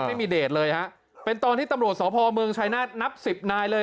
รภัยมีเดชเลยหรอเป็นตอนที่ตำรวจสอบพอบ์เมืองชัยนาธิ์นับ๑๐นายเลย